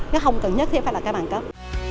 nó không cần nhất thiết phải là cái bằng cấp